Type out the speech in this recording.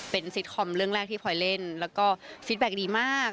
เป็นซิตคอมเรื่องแรกที่พลอยเล่นแล้วก็ฟิตแบ็คดีมาก